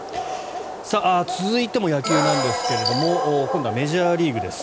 続いても野球ですが今度はメジャーリーグです。